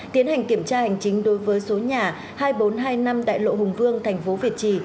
tiến hành kiểm tra hành chính đối với số nhà hai nghìn bốn trăm hai mươi năm đại lộ hùng vương thành phố việt trì